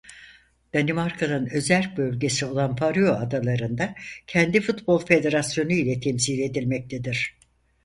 Danimarka'nın özerk bölgesi olan Faroe Adaları'da kendi futbol federasyonu ile temsil edilmektedir.